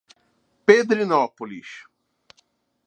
Pedrinópolis